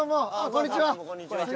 こんにちは。